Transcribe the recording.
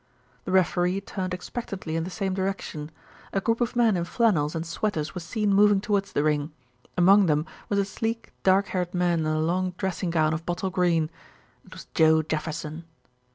The referee turned expectantly in the same direction. A group of men in flannels and sweaters was seen moving towards the ring. Among them was a sleek, dark haired man in a long dressing gown of bottle green. It was Joe Jefferson.